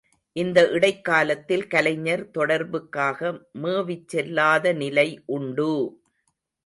இந்த இடைக்காலத்தில் கலைஞர் தொடர்புக்காக மேவிச்செல்லாத நிலை உண்டு!